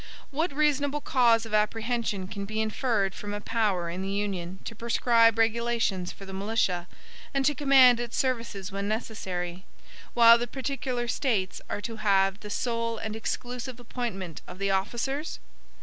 What reasonable cause of apprehension can be inferred from a power in the Union to prescribe regulations for the militia, and to command its services when necessary, while the particular States are to have the SOLE AND EXCLUSIVE APPOINTMENT OF THE OFFICERS?